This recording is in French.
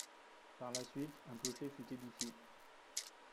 Par la suite, un clocher fut édifié.